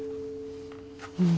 うん。